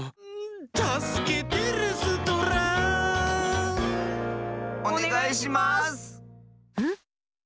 「たすけてレストラン」おねがいします！